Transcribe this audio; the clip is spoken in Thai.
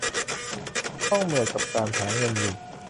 ต้องเหนื่อยกับการหาเงินอยู่